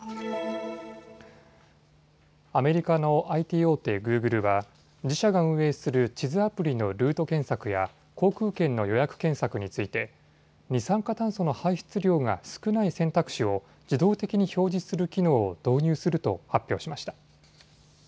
アメリカのＩＴ大手、グーグルは自社が運営する地図アプリのルート検索や航空券の予約検索について二酸化炭素の排出量が少ない選択肢を自動的に表示する機能を導入すると発表しました。